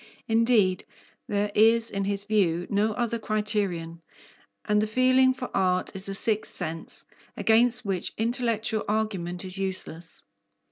Indeed, there is in his view no other criterion, and the feeling for art is a sixth sense, against which intellectual argument is useless.